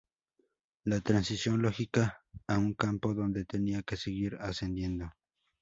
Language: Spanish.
La transición lógica a un campo donde tenía que seguir ascendiendo.